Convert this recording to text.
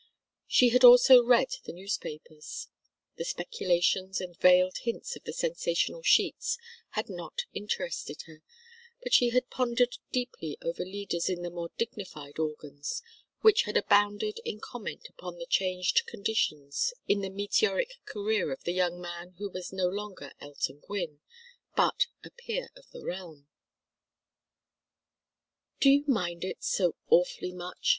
She had also read the newspapers. The speculations and veiled hints of the sensational sheets had not interested her, but she had pondered deeply over leaders in the more dignified organs, which had abounded in comment upon the changed conditions in the meteoric career of the young man who was no longer Elton Gwynne, but a peer of the realm. "Do you mind it so awfully much?"